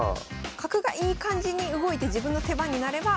角がいい感じに動いて自分の手番になれば。